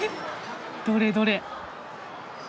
どれどれ。